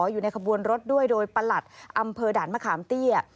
อยู่ในขบวนรถด้วยโดยประหลัดอำเภอด่านมะขามเตี้ย